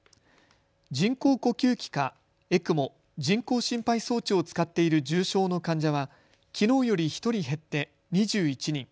人工呼吸器かＥＣＭＯ・人工心肺装置を使っている重症の患者はきのうより１人減って２１人。